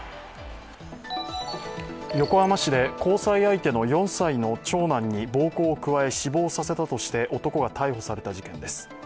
横浜市で交際相手の４歳の長男に暴行を加え死亡させたとして男が逮捕された事件です。